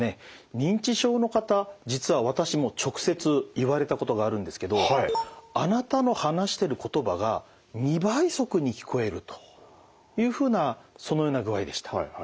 認知症の方実は私も直接言われたことがあるんですけど「あなたの話してる言葉が２倍速に聞こえる」というふうなそのような具合でした。